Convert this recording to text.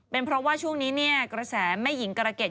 เป็นเพราะว่าช่วงนี้เนี่ยกระแสแม่หญิงกรเกด